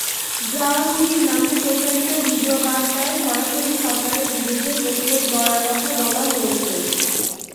জাওয়াহিরির নামে প্রচারিত ভিডিও বার্তায় সরাসরি সরকারের বিরুদ্ধে প্রতিরোধ গড়ার কথা বলা হয়েছে।